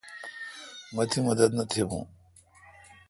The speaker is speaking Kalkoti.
مہ تی مدد نہ تھبون۔